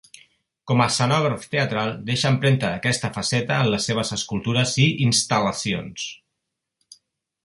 Com a escenògraf teatral, deixa empremta d'aquesta faceta en les seves escultures i instal·lacions.